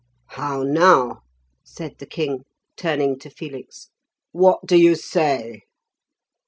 "How now," said the king, turning to Felix; "what do you say?"